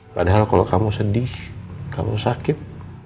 padahal kalau kamu sedih kamu sakit